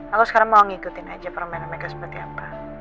aku sekarang mau ngikutin aja permainan mereka seperti apa